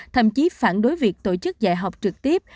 thậm chí phản đối việc tổ chức dạy học trực tiếp